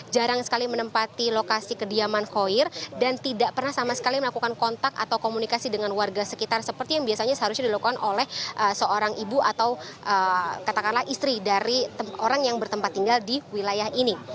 jarang sekali menempati lokasi kediaman khoir dan tidak pernah sama sekali melakukan kontak atau komunikasi dengan warga sekitar seperti yang biasanya seharusnya dilakukan oleh seorang ibu atau katakanlah istri dari orang yang bertempat tinggal di wilayah ini